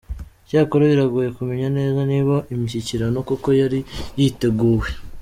Icyakora biragoye kumenya neza niba imishyikirano koko yari yiteguwe.